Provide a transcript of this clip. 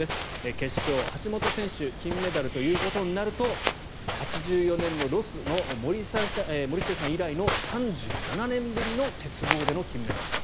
決勝、橋本選手金メダルということになると１９８４年のロスの森末さん以来の３７年ぶりの鉄棒での金メダルと。